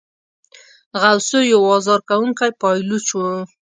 غوثو یو آزار کوونکی پایلوچ وو.